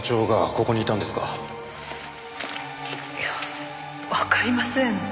いやわかりません。